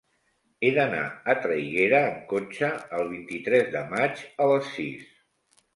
He d'anar a Traiguera amb cotxe el vint-i-tres de maig a les sis.